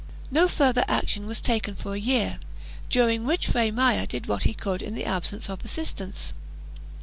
No further action was taken for a year, during which Fray Maya did what he could in the absence of assistance.